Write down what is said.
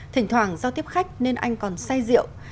thỉnh thoảng do tiếp khách nên anh còn say rượu